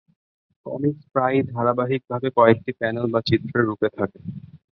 Comics প্রায়ই ধারাবাহিকভাবে কয়েকটি প্যানেল বা চিত্রের রূপে থাকে।